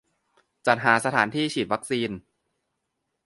-จัดหาสถานที่ฉีดวัคซีน